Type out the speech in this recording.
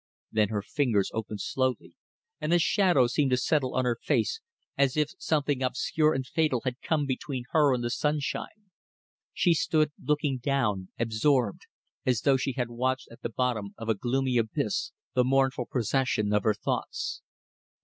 Then her fingers opened slowly, and a shadow seemed to settle on her face as if something obscure and fatal had come between her and the sunshine. She stood looking down, absorbed, as though she had watched at the bottom of a gloomy abyss the mournful procession of her thoughts.